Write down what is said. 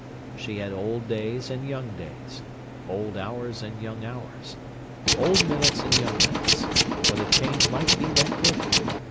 She had old days and young days; old hours and young hours; old minutes and young minutes; for the change might be that quick.